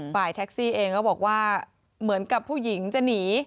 ฝ่ายแท็กซี่เองก็บอกว่าเหมือนกับผู้หญิงจะหนี